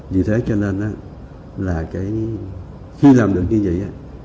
vì thế cho nên là khi làm được như vậy